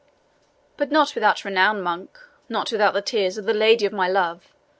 "But not without renown, monk not without the tears of the lady of my love!